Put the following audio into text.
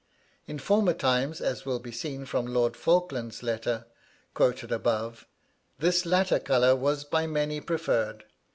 In former times, as will be seen from Lord Falkland's letter quoted above, this latter colour was by many preferred.